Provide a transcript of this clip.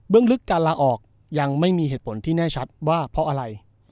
ลึกการลาออกยังไม่มีเหตุผลที่แน่ชัดว่าเพราะอะไร